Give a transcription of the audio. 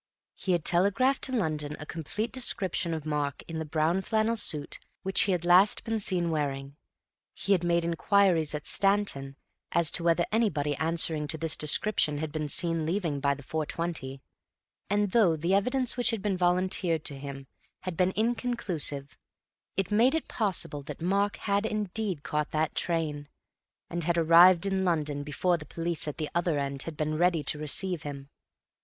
He had telegraphed to London a complete description of Mark in the brown flannel suit which he had last been seen wearing; he had made inquiries at Stanton as to whether anybody answering to this description had been seen leaving by the 4.20; and though the evidence which had been volunteered to him had been inconclusive, it made it possible that Mark had indeed caught that train, and had arrived in London before the police at the other end had been ready to receive him.